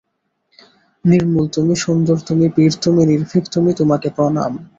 নির্মল তুমি, সুন্দর তুমি, বীর তুমি, নির্ভীক তুমি, তোমাকে প্রণাম!